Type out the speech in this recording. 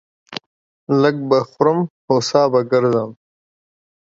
لږ به خورم ، هو سا به گرځم.